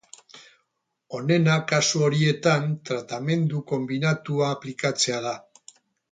Onena kasu horietan tratamendu konbinatua aplikatzea da.